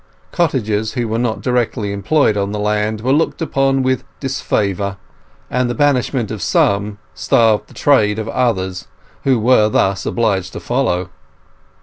Cottagers who were not directly employed on the land were looked upon with disfavour, and the banishment of some starved the trade of others, who were thus obliged to follow.